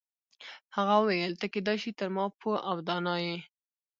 هغه وویل ته کیدای شي تر ما پوه او دانا یې.